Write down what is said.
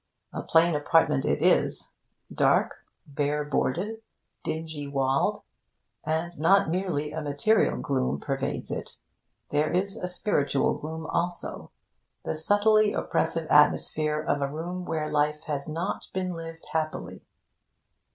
A plain apartment it is: dark, bare boarded, dingy walled. And not merely a material gloom pervades it. There is a spiritual gloom, also the subtly oppressive atmosphere of a room where life has not been lived happily.